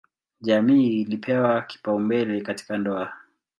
Jamii ilipewa kipaumbele katika ndoa.